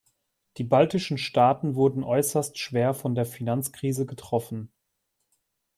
Die baltischen Staaten wurden äußerst schwer von der Finanzkrise getroffen.